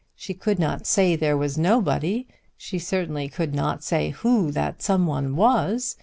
She could not say there was nobody. She certainly could not say who that some one was.